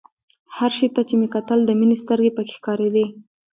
هر شي ته چې مې کتل د مينې سترګې پکښې ښکارېدې.